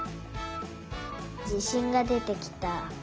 じしんがでてきた。